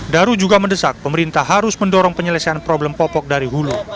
daru juga mendesak pemerintah harus mendorong penyelesaian problem popok dari hulu